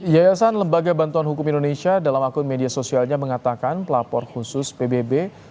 yayasan lembaga bantuan hukum indonesia dalam akun media sosialnya mengatakan pelapor khusus pbb